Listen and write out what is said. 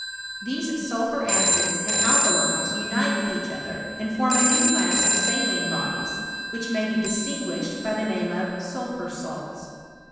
These sulphur acids and alkalies unite with each other, and form a new class of saline bodies, which. may be distinguished by the name of sulphur salts.